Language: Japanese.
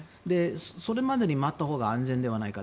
それまで待ったほうが安全ではないか。